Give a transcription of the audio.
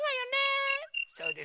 そうですね。